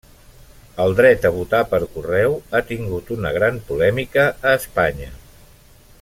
El dret a votar per correu ha tingut una gran polèmica a Espanya.